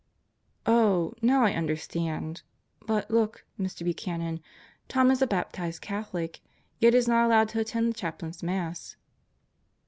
"Oh, now I understand. But look, Mr. Buchanan, Tom is a baptized Catholic, yet is not allowed to attend the chaplain's Mass."